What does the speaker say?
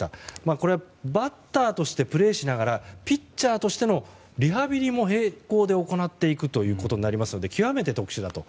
これはバッターとしてプレーしながらピッチャーとしてのリハビリも並行で行っていくことになりますので極めて特殊だと。